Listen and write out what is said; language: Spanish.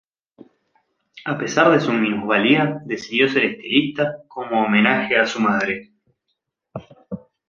A pesar de su minusvalía, decidió ser estilista, como homenaje a su madre.